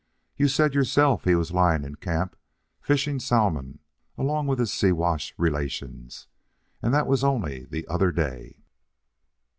You said yourself he was lying in camp, fishing salmon along with his Siwash relations, and that was only the other day."